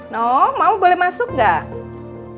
no mau boleh masuk nggak